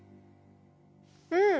うん。